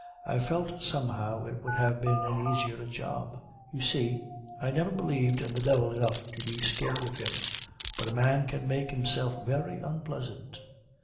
I felt somehow it would have been an easier job. You see, I never believed in the devil enough to be scared of him; but a man can make himself very unpleasant.